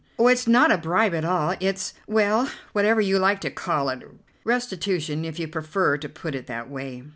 "Oh, it's not a bribe at all, it's well, whatever you like to call it. Restitution if you prefer to put it that way."